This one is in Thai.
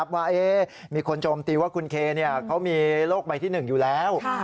ว่ามีคนโชมตีว่าคุณเคเขามีโลกใหม่ที่หนึ่งอยู่แล้ว